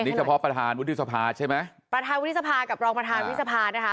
นี่เฉพาะประธานวุฒิสภาใช่ไหมประธานวุฒิสภากับรองประธานวิสภานะคะ